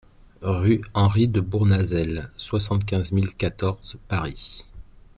RUE HENRY DE BOURNAZEL, soixante-quinze mille quatorze Paris